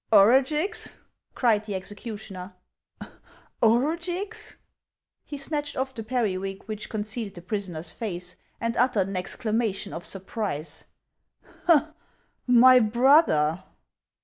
" Orugix !" cried the executioner, " Orugix !" He snatched off the periwig which concealed the pris oner's face, and uttered an exclamation of surprise :" My brother